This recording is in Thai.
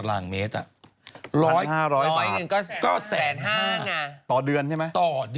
๑๕๐๐บาทต่อเดือนใช่ไหม